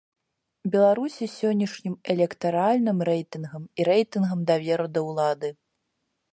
Беларусі сённяшнім электаральным рэйтынгам і рэйтынгам даверу да ўлады.